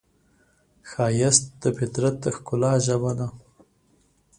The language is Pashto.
ښایست د فطرت د ښکلا ژبه ده